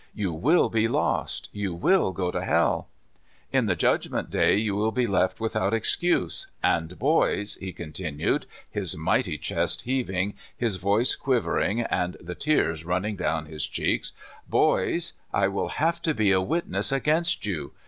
You will be lost! You w;^/^ go to hell ! In the judgment day you will be left without excuse. And boys," he contin\ied, his mighty chest heaving, his voice quiv ering, and the tears running down his cheeks, " boys, I will have to be a witness against you.